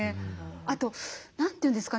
あと何て言うんですかね